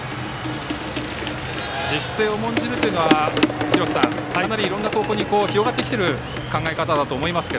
自主性を重んじるのはいろんな高校に広がってきている考え方だと思いますが。